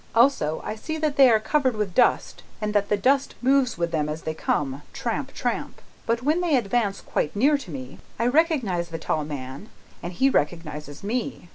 Also, I see that they are covered with dust, and that the dust moves with them as they come, tramp, tramp! But when they advance quite near to me, I recognise the tall man, and he recognises me.